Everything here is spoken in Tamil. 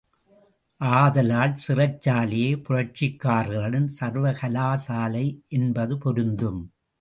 ஆதலால் சிறைச்சாலையே புரட்சிக்காரர்களின் சர்வகலாசாலை என்பது பொருந்தும்.